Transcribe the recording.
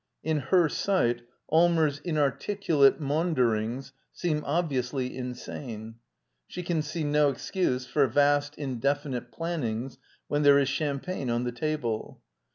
In her sight Allmers' inarticulate maunderings seem obviously insane: she can see no excuse for vast, indefinite plannings when there is champagne on the table.